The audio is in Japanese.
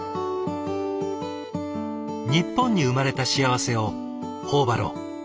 日本に生まれた幸せを頬張ろう。